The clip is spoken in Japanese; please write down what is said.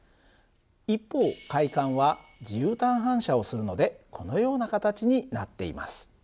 一方開管は自由端反射をするのでこのような形になっています。